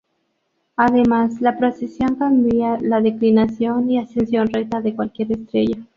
Además la precesión cambia la declinación y ascensión recta de cualquier estrella.